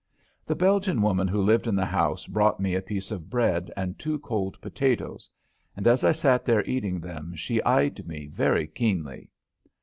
The Belgian woman who lived in the house brought me a piece of bread and two cold potatoes, and as I sat there eating them she eyed me very keenly.